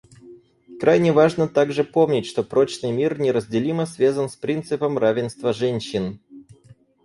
Крайне важно также помнить, что прочный мир неразделимо связан с принципом равенства женщин.